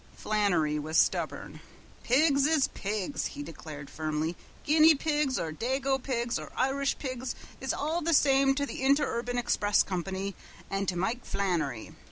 Flannery was stubborn. "Pigs is pigs," he declared firmly. "Guinea pigs, or dago pigs or Irish pigs is all the same to the Interurban Express Company an' to Mike Flannery.